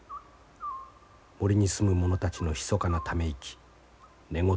森に住むものたちのひそかなため息寝言